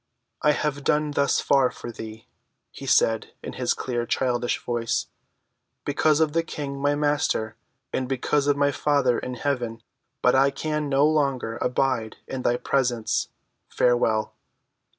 "I have done thus far for thee," he said in his clear childish voice, "because of the King, my Master, and because of my Father in heaven. But I can no longer abide in thy presence. Farewell!"